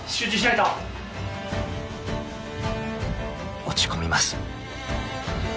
［落ち込みます］